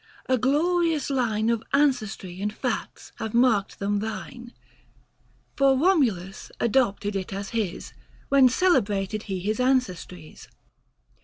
A glorious line Of ancestry and facts have marked them thine. f r ,To ma?uiE liadcG adopted it as his When celebrated he his ancestries.